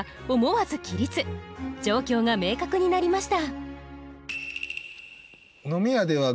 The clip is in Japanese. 状況が明確になりました。